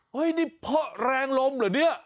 เฮ้ยนี่แรงลมหรือเนี่ย